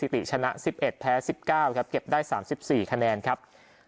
ิติชนะสิบเอ็ดแพ้สิบเก้าครับเก็บได้สามสิบสี่คะแนนครับ